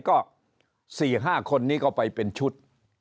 ก็๔๕คนนี้ก็ไปเป็นชุด